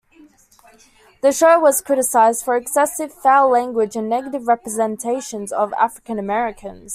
The show was criticized for excessive foul language and negative representations of African Americans.